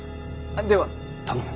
では頼む。